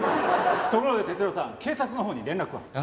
ところで哲郎さん警察のほうに連絡は？